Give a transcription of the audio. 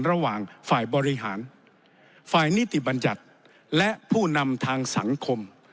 ระหว่างฝ่ายบริหารฝ่ายนิติบัญญัติและผู้นำทางสังคม